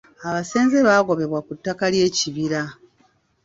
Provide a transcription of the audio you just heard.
Abeesenza baagobebwa ku ttaka ly'ekibira.